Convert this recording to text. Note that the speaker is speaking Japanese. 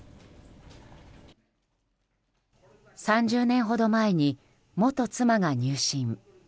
３０年ほど前に元妻が入信。